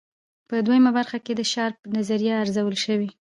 په دویمه برخه کې د شارپ نظریه ارزول شوې.